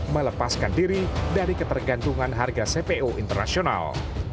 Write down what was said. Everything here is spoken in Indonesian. melepaskan diri dari ketergantungan harga cpo internasional